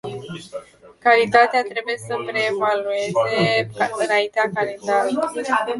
Calitatea trebuie să prevaleze înaintea calendarului.